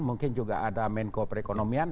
mungkin juga ada menko perekonomian